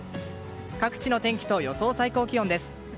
各地の天気と予想最高気温です。